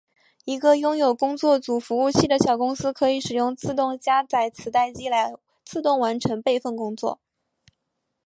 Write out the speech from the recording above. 一个拥有工作组服务器的小公司可以使用自动加载磁带机来自动完成备份工作。